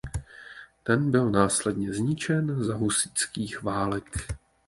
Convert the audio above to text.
Ten byl následně zničen za husitských válek.